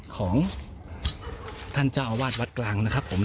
ของท่านเจ้าอาวาสวัดกลางนะครับผม